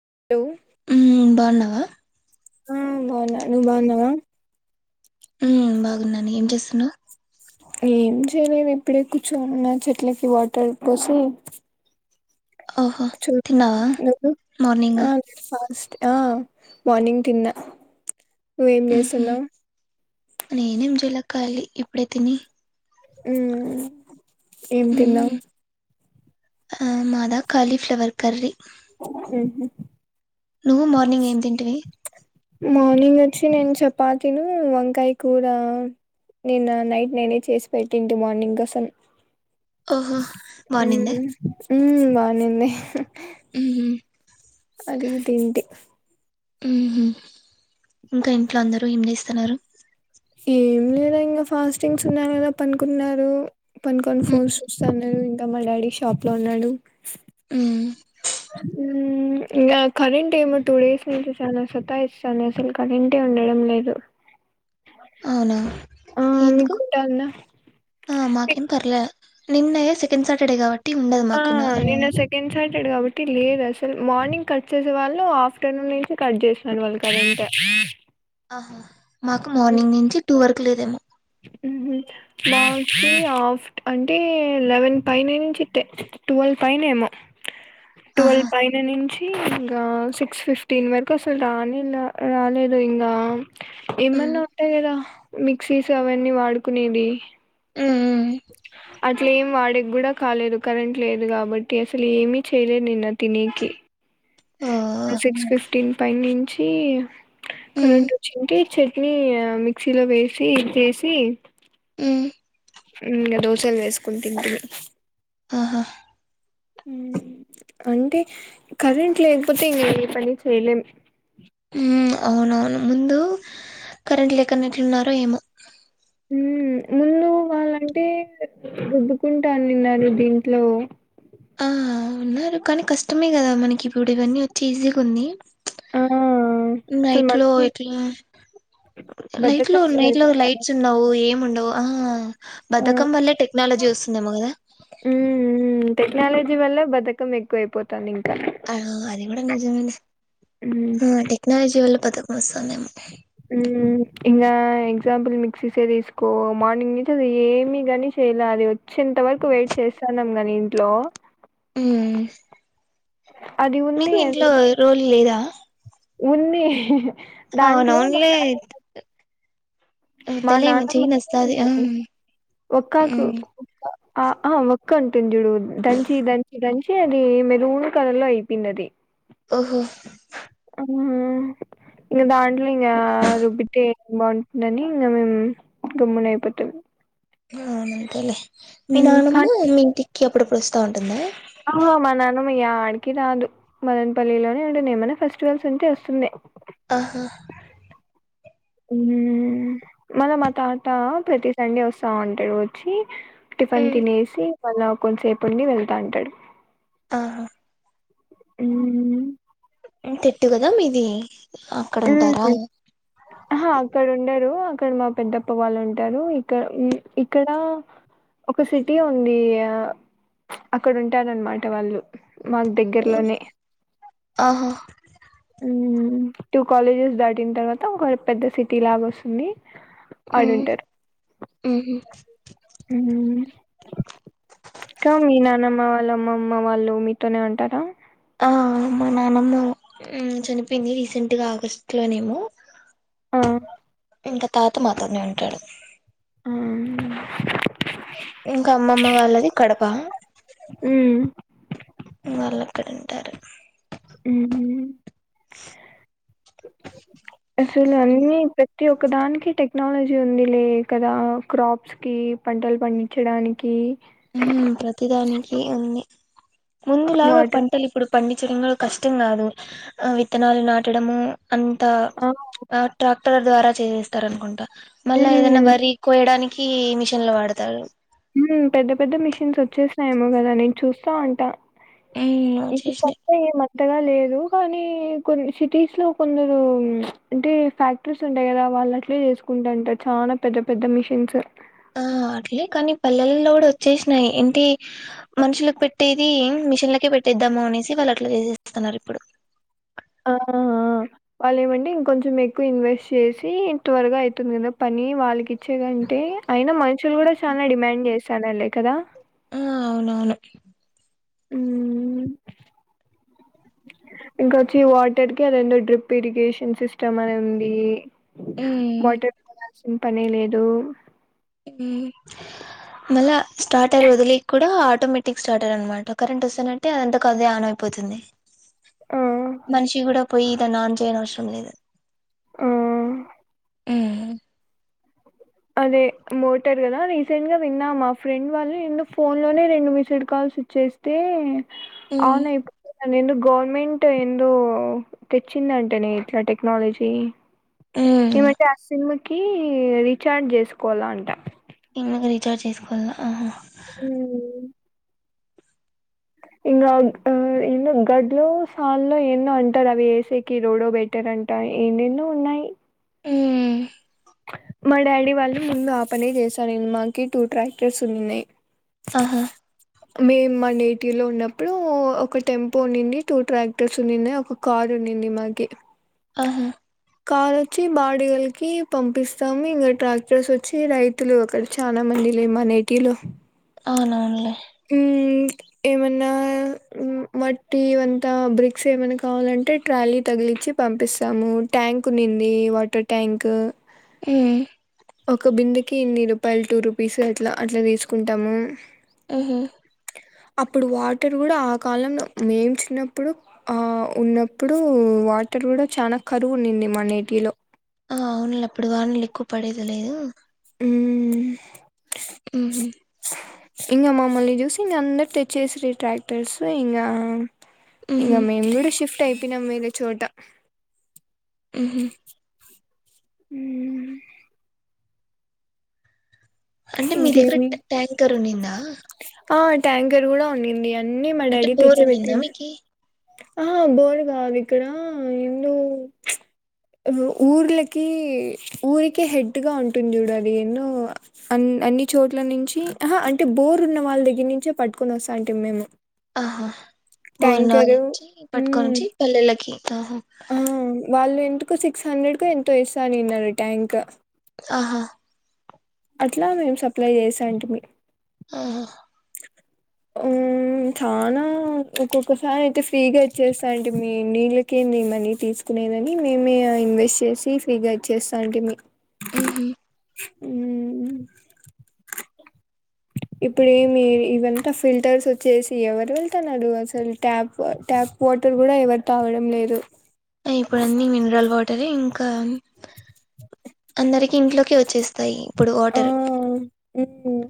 [inaudible] హ్మ్ బాగున్నవా ఆ బాగున్నా నువ్ బాగున్నావా? హ్మ్ బాగున్నాన్ ఏం చేస్తున్నవ్ ఏం చేయలేదు ఇప్పుడే కూర్చొన్ చెట్లకి వాటర్ పోసి ఓహో! చు తిన్నావా మార్నింగ్? ఆ పాస్ ఆ మార్నింగ్ తిన్నా నువ్వేం హుహు. చేస్తున్నవ్ కలి ఇప్పుడే తిని హ్మ్ ఏం తిన్నవ్ అ మదా కాలీఫ్లవర్ కర్రీ. మ్ హ్ నువ్వు మార్నింగ్ ఏం తింటివి? మార్నింగ్ అచ్చి నేన్ చపాతీను వంకాయ్ కురా నిన్న నైట్ నేనే చేసిపెట్టింటి మార్నింగ్ కోసం ఓహో! మార్నింగా? హ్మ్ మ్ బానే ఉంది. హ్ హ్ అది తింటి. మ్ హ్ ఇంకా ఇంట్లో అందరు ఏం చేస్తున్నారు? ఏం లేద్ ఇంగ ఫాస్టింగ్స్ ఉన్నారు కదా పనుకున్నారు. పండుకోన్ హ్మ్. ఫోన్స్ చూస్తనాడు ఇంకా మా డాడీ షాప్లో ఉన్నాడు. హ్మ్ మ్ ఇంగ కరెంట్ ఏమో టూ డేస్ నుంచి చాల సతా ఇస్తాంది అసల్ కరెంటే ఉండడం లేదు. [inaudible] అవునా ఆ ఎందుకు మీకుంటా ఉందా ఆ మీక్ మకేం పర్లా నిం నయా సెకెండ్ సాటర్డే కాబ ఆ నిన్న సెకండ్ సాటర్డే కాబట్ టి లేద్ అసల్ మార్నింగ్ కట్ చేసేవాళ్లు ఆఫ్టర్నూనేసి కట్ చేస్తర్ వాళ్ళు కరెంట్ హా మాకు మార్నింగ్ నుంచి టూ వరకు లెదేమో మ్ హ్ మాకి హాఫ్ట్ అంటే లెవెన్ ఫైన నుంచి ఇట్టే ట్వెల్వ్ పైనేమో ఆహా! ట్వెల్వ్ పైన నుంచి ఆ సిక్స్ ఫిఫ్టీన్ వరకు అసల్ రానేల రాలేదు ఇంగ ఏమన్నా హ్మ్. ఉంటే కదా మిక్సీస్ అవన్నీ వాడుకునేవి. మ్ మ్ అట్లేం వాడ్ డిక్ గుడా కాలేదు కరెంట్ లేదు కాబట్టి అసలేమీ చేయలే నిన్న తినేకి ఓహ్! సిక్స్ ఫిఫ్టీన్ పైన నుంచి హ్మ్ కరెంట్ ఒచ్చి ఉంటే చట్నీ ఆ మిక్సీలో వేసి చేేసి హ్మ్ ఇంగ దోశల్ వేస్కుం తింటి. ఆహా మ్ అంటే కరెంట్ లేక్పోతే ఇగ ఏ పని చేయలేం. హ్మ్. అవునవును ముందు కరెంట్ లేకనే ఎట్లున్నారో ఏమో హ్మ్ ముందు వాళ్ళంటే రుదుకుంటాన్నారు దింట్లో ఆ ఉన్నారు కానీ కష్టమె కదా మనకి ఇప్పుడు ఇవన్నీ వచ్చి ఈజీగా ఉంది ఆ అసలు నైట్లో మనుషులు ఇట్లా లైట్ లో బద్దకస్తులు నైట్లో అయిపోతారు లైట్స్ ఉండవు ఏముండ ఒ ఆ ఆ బద్దకం వలె టెక్నాలజీ వస్తుందెమో కదా ని వల్ల బద్ధకం ఎక్కువయిపోతాంది. ఆ అది గుడా నిజమేలె ఆ టెక్నాలజీ వల్ల బద్ధకం వస్తాందేమోలె మ్ ఇంగా ఎగ్జాంపుల్ మిక్సీసే తీస్కో మార్నింగ్ నుంచి అది ఏమి గని చేయ్లా అది వచ్చేంత వరకు వెయిట్ చేస్తాన్నాం గాని ఇంట్లో మ్ అది మీకు ఇంట్లో రోల్ లేదా? ఉన్ని దాంట్లో అవునవునులే. [unintelligible] మా వద్దులే ఏమో చెయ్యి నస్తాది. ఆ! నాన్నమ్మకి ఒక్కాకు హ్మ్. ఒక ఆ ఆ వక్క అంటుండ్డుచూడు దంచి దంచి దంచి అది మెరూన్ కలర్ లో అయిపెయింది అది ఓహో ఉమ్ ఇంగ దాంట్లో ఇంగ రుబ్బితే బావుంటుందని ఇంగా మేమ్ గమ్మునైయిపోతాది ఆ అంతేలే మీ నానమ్మ మీ ఇంటికి అప్పుడప్పుడ్ ఒస్తా ఉంటుందా ఆ మా నాన్నమ యాడికి రాదు మదన్పల్లిలోనే ఉంటుంది ఏమన్నా ఫెస్టివల్స్ ఉంటే వస్తుండే ఆహా ఉ హుమ్ మల మా తాత ప్రతి సండే ఒస్సవుంటాడు ఒచ్చి టిఫిన్ తినేసి మళ్ళ కొద్దిసేపుఉండి వెళ్తా ఉంటాడు ఆహా ఊమ్ తిట్టు కదా మీది అక్కడ ఉ ఉంటారా హు ఆహ్ అక్కడ ఉండరు ఇక్కడ్ మా పెద్దప్ప వాళ్ళు ఉంటారు ఇక్క ఉమ్ ఇక్కడ ఒక సిటీ ఉంది ఆ అక్కడ ఉంటారన్మాట వాళ్ళు మాక్ దెగ్గర్లోనే ఆహా ఊమ్ టూ కాలేజెస్ దాటిన్ తర్వాత ఒక పెద్ద సిటీ లాగ ఒస్తుంది అడ ఉమ్ ఉంటారు ఉహు ఉమ్ సో మీ నాన్నమ్మా వాళ్ళ అం అమ్మమ్మ వాళ్ళు మీతోనే ఉంటారా ఆ మా నానమ్మ ఉమ్ చేనిపోయింది రీసెంట్గా ఆగస్టులోనేమో ఆ ఇంక తాత మాతోనే ఉంటాడు ఉమ్ ఇంకా అమ్మమ్మ వాళ్ళది కడప మ్మ్ వాళ్లు అక్కడేఉంటారు ఉహ్మ్ అసలు అన్ని ప తి ఒకదానికి టెక్నాలజీ ఉంది లే కదా క్రాప్స్కి పంటలు పండించడానికి ఆ ప్రతిదానికి ఉంది ముందులాగా వాటర్ పంటలు ఇప్పుడు పండి డించటంలో కష్టం కాదు ఆ విత్తనాలు నాటడము అంతా ఆ ఆట్రాక్ క్టర్ ద్వారా చేస్తార్ అనుకుంటా మళ్ళా ఏదైనా మ్మ్ వర్రీ కోయ్డానికి మిషన్లు వాడ్తారు ఉమ్ పెద్ద పెద్ద మిషన్స్ వచ్చేస్సైయేమో కద నేన్ చూస్తా ఉంటా ఉమ్ ఇది వచ్చేసినాయి తప్ప ఏమ్ మాక్ అంతగా లేదు కానీ కొన్ని సిటీస్ లో కొందరు అంటే ఫ్యాక్ట్రిస్ ఉంటాయి కదా వాళ్ళ్ అట్లే చేస్కుంటాంటార్ చాలా పెద్ద పెద్ద మిషన్స్ ఆ అట్లే కానీ పల్లెల్లో కూడా ఒచ్చేస్నై ఏంటి మనుషులకి పెట్టేది ఏం మిషిన్లకే పెట్ టేద్దమ్మ అనేసి వాళ్ళు అట్లా చేసేస్తున్నారు ఇప్పుడు ఆ ఆ ఆ వాళ్ళు ఏమంటే ఇంకొంచెం ఎక్కువ్ ఇన్వెస్ట్ చేసి త్వర్గా అయితుంద్ కదా పని వాళ్ళకి ఇచ్చే ఏంటి అయినా మనుషులు గూడా చాలా డిమాండ్ చేసానలే కదా ఆ అవునవును హ్మ్ ఇంకొచ్చి వాటర్ కి అదేందొ డ్రిప్ ఇరిగేషన్ సిస్టమ్ అనే ఉందీ ఉమ్ మోటార్ కొనాల్సిన పనే లేదు ఉమ్ మళ్ళ స్టార్టర్ వదిలి కుడా ఆటోమేటిక్ స్టార్టర్ అనమాట కరెంట్ వస్తనంటే అదంతకదే ఆన్ అయిప్ పోతుంది ఆ! మనిషి గూడా పోయి దాన్ని ఆన్ చేయనవసరం లేదు హ్మ్ ఉమ్ అదే మోటర్ గదా రీసెంట్ గా విన్నా మా ఫ్రెండ్ వాళ్ళు ఇన్ను ఫోన్ లోనే రెండు మిస్డ్ కాల్స్ చేస్తే ఉమ్ ఆనయ్ పో అదెందో గవర్నమెంట్ ఎందో తెచ్చిందంటనే ఇట్లా టెక్నాలజీ ఉమ్ ఏమంటే ఆ సిమ్ కీ రీచార్జ్ చేసుకోవాలంట ఇన్నుగు రీచార్జ్ చేసుకోల్లా ఆహ హ్మ్ ఇంగా అహ్ ఇగ్ ఆహ్ గడ్లో సాల్లో ఏందో అంటారవి ఏసీకి రోడొ బెటర్ అంటా ఎందేన్నో ఉన్నాయి ఉమ్ మా డాడీ వాళ్ళు ముందు ఆ పనే జేశా ఇన్ మాకి టూ ట్రాక్టర్స్ ఉన్నయ్ ఆహా మేమ్ మా నేటివ్ లో ఉన్నప్పుడూ ఒక టెంపో ఉన్నింది టూ ట్రాక్టర్స్ ఉన్నిన్నయ్ ఒక కార్ ఉన్నింది మాకి ఆహా కారొచ్చి బాడిగలకీ పంపిస్తాం ఇంగ ట్రాక్టర్స్ ఒచ్చి రైతులు అక్కడ చానా మంది లే మ నేటీలు అవునవున్లే హ్మ్ ఏమన్నా మ్ మట్టి వంతా బ్రిక్స్ ఏమైన కావాలంటే ట్రాలీ తగిలిచ్చి పంపిస్తాము ట్యాంక్ ఉన్నింది వాటర్ ట్యాంక్ హ్మ్ ఒక బిందెకి ఇన్ని రూపాయల్ టూ రూపీస్ అట్ల అట్ల దీసుకుంటాము. హ్మ్ హు అప్పుడు వాటర్ గూడ ఆ కాలంలో మేము చిన్నప్పుడు ఆ ఉన్నప్పుడు వాటర్ గూడ చానా కరువు ఉన్నింది మా నేటిలొ ఆ అవున్లే అప్పుడు వానలు ఎక్కువ పడేది లేదు హ్మ్ ఉహు ఇంగ మమ్మల్ని జూసి ఇంగ అందరు తెచ్చేసిరి ట్రాక్టర్స్ ఇంగా ఇంగ ఉహు మేము గుడా షిఫ్ట్ అయిపోయినం వేరె చోట హ్మ్ హు హ్మ్ అంటే మీ దగ్గర ఇంకేమి ట ట్యాంకర్ ఉన్నిందా ఆ ట్యాంకర్ గుడా ఉన్నింది అన్నీ మా అంటే డాడీ బోర్ తెచ్చి ఉన్నిందా పెట్టిండు మీకి అహ బోరు గాద్ ఇక్కడా ఇందు రు ఊర్లకి ఊరికి హెడ్ గా ఉంటుంది చూడు అది ఏందో అన్ అన్ని చోట్ల నుంచి ఆహా అంటె బోర్ ఉన్న వాళ్ళ దగ్గర నుంచే పట్టుకొని వస్తాంటి మేము ఆహా మూర్ నాల్ ట్యాంకరు నుంచి మ్మ్ పట్కొనొచ్చి పల్లెలకి ఆహ టుకు సిక్స్ హండ్రెడ్ కు ఎంతో ఇస్తాన్నినార్ ట్యాంక్ ఆహా అట్లా మేం సప్లై చేసాంటమీ ఆహా హ్మ్ మ్ చానా ఒక్కొక్కసారి అయితే ఫ్రీగా ఈచేస్తాయండి నీళ్ళకి మె మనీ తీసుకొ [unintelligible] మేమె ఇన్వెస్ట్ చేసి ఫ్రీగా ఇచ్చేస్తాంటిమి హ్మ్ హు హ్మ్ ఇప్పుడు ఏమి ఇవంతా ఫిల్టర్స్ వచేసి ఎవరు వెళ్తున్నారు అసలు ట్యాప్ ట్యాప్ వాటర్ కూడా ఎవరు తాగడం లేదు ఇప్పుడు అన్ని మినరల్ వాటరే ఇంకా అందరికి ఇంట్లోకి వచ్చేస్తాయి ఇప్పుడు వాటర్ మ్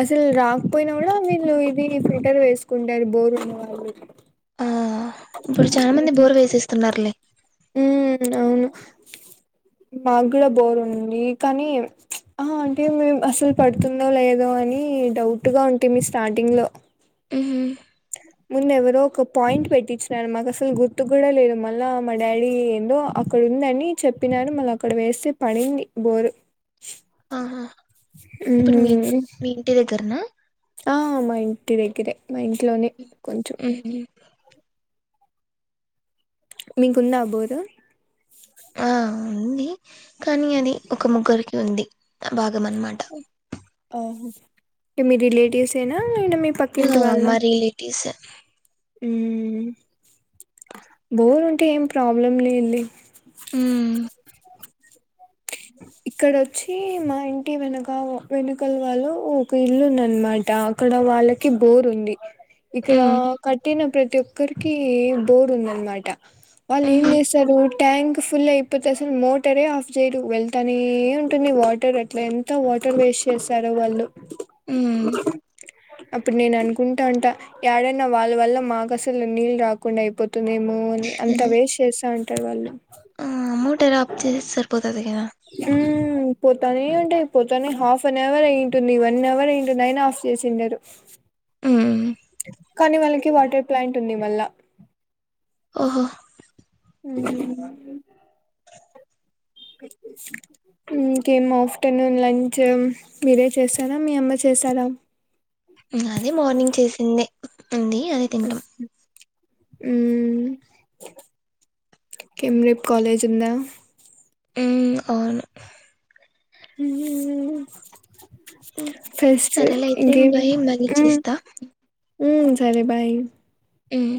అసలు రాకపోయినా కూడా నీళ్ళు ఇది ఫిల్టర్ వేసుకుంటారు బోరు ఉన్న వాళ్ళు ఆ ఇప్పుడు చాలా మంది బోర్ వేసేస్తున్నారులే ఉమ్ అవును మా కూడా బోరు ఉంది కానీ ఆ అంటే మేం అసలు పడుతుందో లేదో అని డౌట్ గా ఉంటి మీ స్టార్టింగ్ లో ఉహు ముందు ఎవరో ఒక పాయింట్ పెట్టించిచారు మాకు అసలు గుర్తు కూడా లేదు మళ్ళా మా డాడీ ఏందో అక్కడ్ ఉందని చెప్పినారు మళ్ళా అక్కడ వేస్తే పడింది బోరు ఆహా ఇప్పుడు మీ హుమ్ మీ ఇంటి దగ్గరనా ఆ అవున మా ఇంటి దగ్గరే మా ఇంట్లోనే కొంచం ఉహు మీకుంద బోరు అ ఉంది కానీ అది ఒక ముగ్గురికి ఉంది బా ఆహా మీ రిలేటివ్స్ ఏనా లేదా మీ పక్కింటి మ్ మా రిలేటివ్స్ మ్ బోరు ఉంటే ఏం ప్రాబ్లంలెండి ఉమ్ ఇక్కడొచ్చి మా ఇంటి వెనక వెనక వాళ్ళ ఒక ఇల్లు ఉంది అనమాట అక్కడ వాళ్ళకి బోర్ ఉంది ఇక్కడ ఉమ్ కట్టిన ప్రతి ఒక్కరికి బోర్ ఉందనమాట వాళ్ళు ఏం ఉహు చేస్తారు ట్యాంక్ ఫుల్లయిపోతే అసలు మోటరే ఆఫ్ చేయ్యరు వెళ్ తానే ఉంటుంది వాటర్ అట్లా ఎంత వాటర్ వేస్ట్ చేస్తారో వాళ్ళు ఉమ్ అప్పుడు నేను అనుకుంటా ఉంటా ఎడైన్నా వాళ్ళ వల్ల మాకు అసలు నీళ్ళ రాకుండా అయిపో తుందేమో అని అంత ఉహు వేస్ట్ చేస్తా ఉంటారు వాళ్ళు ఆ మోటర్ అప్ చేస్తే సరిపో ఉమ్ పోతనే ఉం అయిపోతానే హాఫ్ అన్ అవర్ అయింటుంది వన్ అవర్ అయింటుంది అయన ఆఫ్ చేసిండరు ఉమ్ కానీ వాళ్ళకి వాటర్ ప్లాంట్ ఉంది మాల్ల హో ఉహ్మ్ ఇమ్ ఇంకేం ఆఫ్టర్నూన్ లంచు మీరే చేసరా మీ అమ్మ చేసరా మాది మార్నింగ్ చేసిందే ఉంది అదే తింటాం ఉమ్ ఇంకేం రేపు కాలెజ్ ఉందా ఉమ్ అవును ఉమ్ మ్ ఫస్ట్ సరేలే అయితే ఇంకేం బాయ్ మళ్ళీ ఉం చేస్తా ఉ సరే బాయ్ ఉమ్